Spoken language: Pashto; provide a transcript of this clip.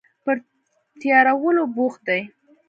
پر تیارولو بوخت دي